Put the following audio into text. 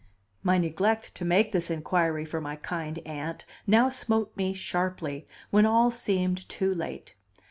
My neglect to make this inquiry for my kind Aunt now smote me sharply when all seemed too late.